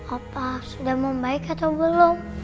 apa sudah membaik atau belum